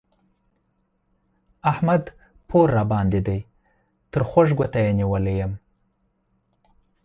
احمد پور راباندې دی؛ تر خوږ ګوته يې نيولی يم